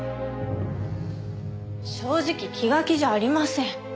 正直気が気じゃありません。